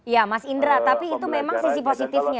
ya mas indra tapi itu memang sisi positifnya